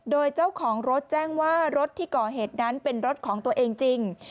โดยเจ้าของรถแจ้งว่ารถที่ก่อเหตุนั้นเป็นรถของตัวเองจริง